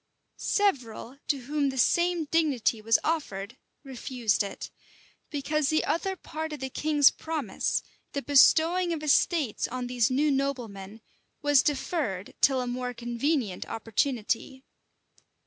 594 Several, to whom the same dignity was offered, refused it; because the other part of the king's promise, the bestowing of estates on these new noblemen, was deferred till a more convenient opportunity.